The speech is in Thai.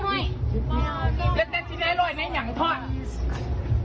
เขาซิ่มอร่อย